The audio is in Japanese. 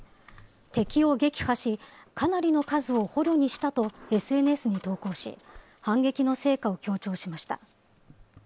敵を撃破し、かなりの数を捕虜にしたと、ＳＮＳに投稿し、反撃の成果を強調しました。